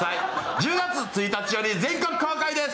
１０月１日から全館公開です。